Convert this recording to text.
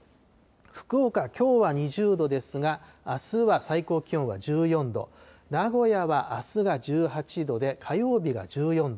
福岡、きょうは２０度ですが、あすは最高気温は１４度、名古屋はあすが１８度で、火曜日が１４度。